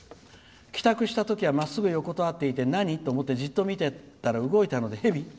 「帰宅したときはまっすぐ横たわっていて何？と思ってじっと見ていたら動いたので蛇？